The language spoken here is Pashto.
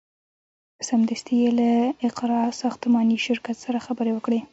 سمدستي یې له اقراء ساختماني شرکت سره خبرې وکړې.